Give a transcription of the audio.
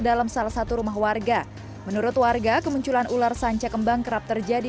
dalam salah satu rumah warga menurut warga kemunculan ular sanca kembang kerap terjadi